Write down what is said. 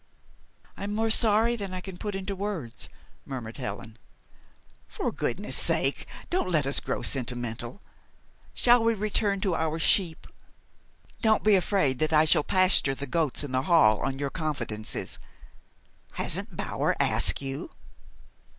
"I'm more sorry than I can put into words!" murmured Helen. "For goodness' sake don't let us grow sentimental. Shall we return to our sheep? Don't be afraid that I shall pasture the goats in the hall on your confidences. Hasn't Bower asked you?"